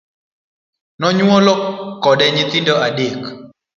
Nonyuolo kode nyithindo adek.